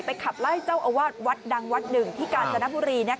ขับไล่เจ้าอาวาสวัดดังวัดหนึ่งที่กาญจนบุรี